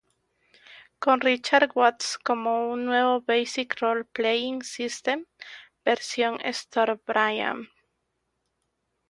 Con Richard Watts como un nuevo Basic Role-Playing System, versión de "Stormbringer.